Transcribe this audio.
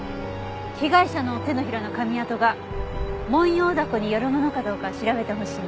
被害者の手のひらの噛み跡がモンヨウダコによるものかどうか調べてほしいの。